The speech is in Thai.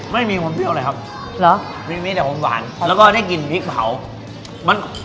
ไม่มีความเปรี้ยวเลยครับเหรอมีมีแต่หอมหวานแล้วก็ได้กินพริกเผามัน